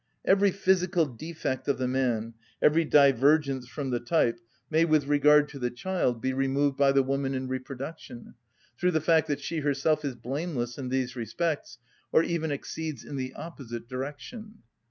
Every physical defect of the man, every divergence from the type, may with regard to the child be removed by the woman in reproduction, through the fact that she herself is blameless in these respects, or even exceeds in the opposite direction.